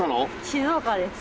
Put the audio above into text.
静岡です。